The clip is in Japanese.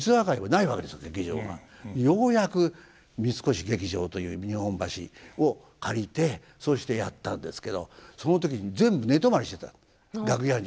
ようやく三越劇場という日本橋を借りてそうしてやったんですけどその時に全部寝泊まりしてたんです楽屋に。